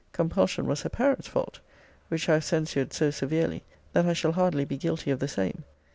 Compulsion was her parents' fault, which I have censured so severely, that I shall hardly be guilty of the same.